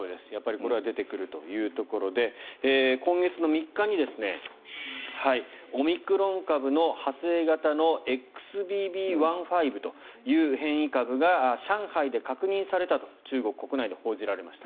これは出てくるというところで今月３日にオミクロン株の派生型のＸＢＢ．１．５という変異株が上海で確認されたと中国国内で報じられました。